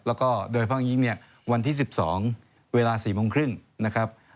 แล้วก็โดยเพราะงี้วันที่๑๒เวลา๑๖๓๐นะครับ